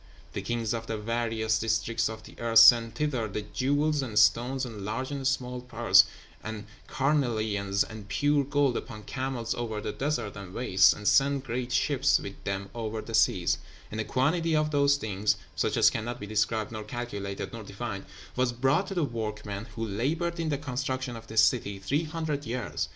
The kings of the various districts of the earth sent thither the jewels and stones, and large and small pearls, and carnelian and pure gold, upon camels over the deserts and wastes, and sent great ships with them over the seas; and a quantity of those things, such as cannot be described nor calculated nor defined, was brought to the workmen, who laboured in the construction of this city three hundred years.